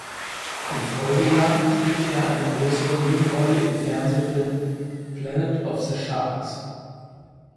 Im Folgejahr spielte er eine größere Nebenrolle im Fernsehfilm "Planet of the Sharks".